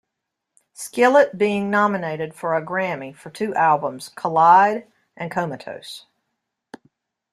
Skillet being nominated for a Grammy for two albums Collide and Comatose.